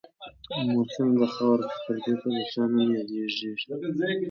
مورخين د خاورو پر ډېري د چا نوم ږدي.